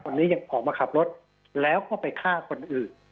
คนนี้ยังออกมาขับรถแล้วเข้าไปฆ่าคนอื่น